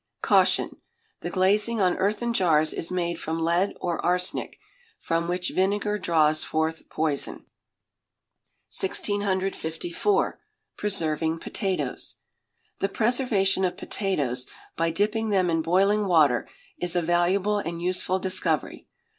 Caution. The glazing on earthen jars is made from lead or arsenic, from which vinegar draws forth poison. 1654. Preserving Potatoes. The preservation of potatoes by dipping them in boiling water is a valuable and useful discovery.